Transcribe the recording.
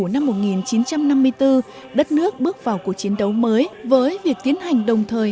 năm một nghìn chín trăm năm mươi bốn đất nước bước vào cuộc chiến đấu mới với việc tiến hành đồng thời